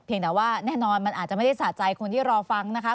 แต่ว่าแน่นอนมันอาจจะไม่ได้สะใจคนที่รอฟังนะคะ